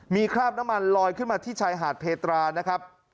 มีคราบน้ำมันลอยขึ้นมาที่ชายหาดเพตรานะครับ